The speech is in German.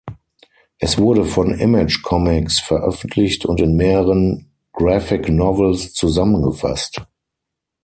Es wurde von Image Comics veröffentlicht und in mehreren Graphic Novels zusammengefasst.